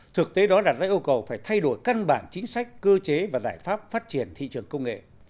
thực tế đó đặt ra yêu cầu phải thay đổi căn bản chính sách cơ chế và giải pháp phát triển thị trường công nghệ